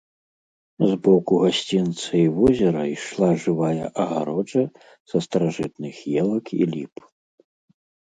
З боку гасцінца і возера ішла жывая агароджа са старажытных елак і ліп.